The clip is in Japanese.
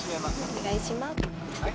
お願いします。